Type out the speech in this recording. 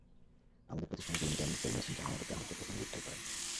আমাদের প্রতিষ্ঠানে বিভিন্ন ধরনের কর্মী আছেন যাঁরা আমাদের গ্রাহকদের প্রতিনিধিত্বই করেন।